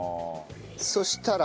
そしたら。